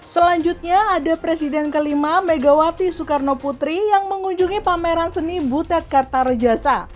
selanjutnya ada presiden kelima megawati soekarno putri yang mengunjungi pameran seni butet kartarejasa